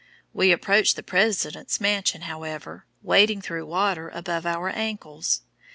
We approached the President's mansion, however, wading through water above our ankles.